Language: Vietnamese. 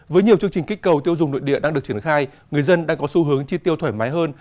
với nhiều chương trình kích cầu tiêu dùng nội địa đang được triển khai người dân đang có xu hướng chi tiêu thoải mái hơn